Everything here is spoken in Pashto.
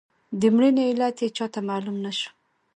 د مړینې علت یې چاته معلوم نه شو.